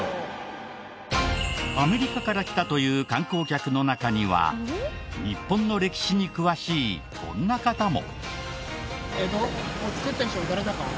アメリカから来たという観光客の中には日本の歴史に詳しいこんな方も。